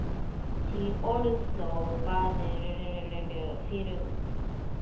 She also dubbed Azerbaijani films.